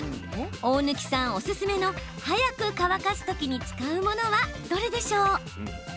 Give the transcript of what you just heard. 大貫さんおすすめの早く乾かすときに使うものはどれでしょう？